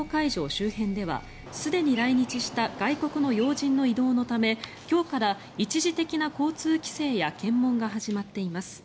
周辺ではすでに来日した外国の要人の移動のため今日から一時的な交通規制や検問が始まっています。